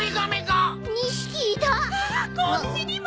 こっちにも！